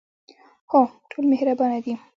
هو، ټول مهربانه دي